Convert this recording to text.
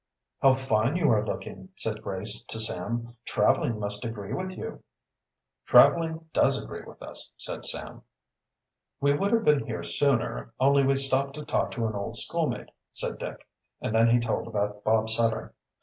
"How fine you are looking," said Grace to Sam. "Traveling must agree with you." "Traveling does agree with us," said Sam. "We would have been here sooner, only we stopped to talk to an old schoolmate," said Dick, and then he told about Bob Sutter.